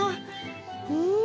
うん！